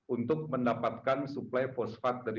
untuk mendapatkan suplai fosfat dari